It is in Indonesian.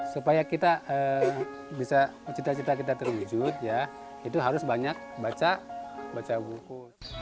supaya kita bisa cita cita kita terwujud ya itu harus banyak baca buku